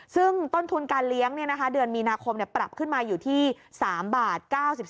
ซึ่งต้นทุนการเลี้ยงเดือนมีนาคมปรับขึ้นมาอยู่ที่๓บาท๙๓